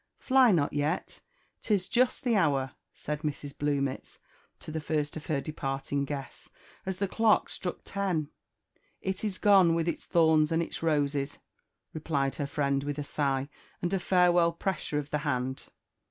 "Fly not yet, 'tis just the hour," said Mrs. Bluemits to the first of her departing guests, as the clock struck ten. "It is gone, with its thorns and its roses," replied er friend with a sigh, and a farewell pressure of the hand.